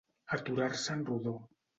Aturar-se en rodó.